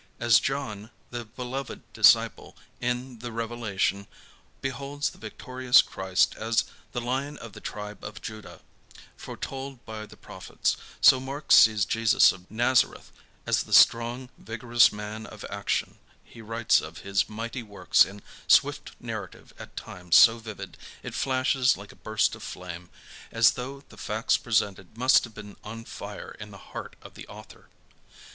As John, the beloved disciple, in "The Revelation" beholds the victorious Christ as "the Lion of the tribe of Judah," foretold by the prophets, so Mark sees Jesus of Nazareth as the strong, vigorous man of action; he writes of His mighty works in swift narrative at times so vivid it flashes like a burst of flame, as though the facts presented must have been on fire in the heart of the author.